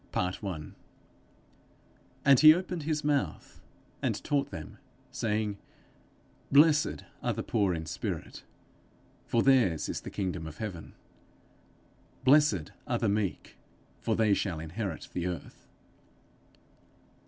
_ And he opened his mouth and taught them, saying, 'Blessed are the poor in spirit; for theirs is the kingdom of heaven.' ...'Blessed are the meek; for they shall inherit the earth.'